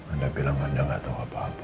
anda bilang anda nggak tahu apa apa